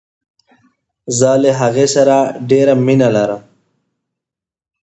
زه له هغې سره ډیره مینه لرم.